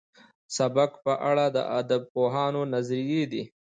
سبک په اړه د ادبپوهانو نظريې دي.